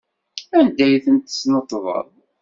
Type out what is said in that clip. Anda ay tent-tesneṭḍeḍ?